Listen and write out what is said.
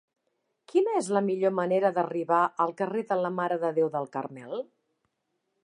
Quina és la millor manera d'arribar al carrer de la Mare de Déu del Carmel?